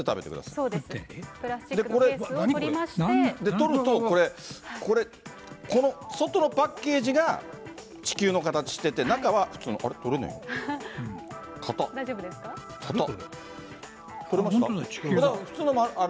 取ると、これ、この外のパッケージが地球の形してて、中は普通の、あれ、取れねえ。